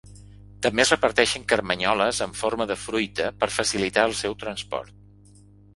També es reparteixen carmanyoles amb forma de fruita per facilitar el seu transport.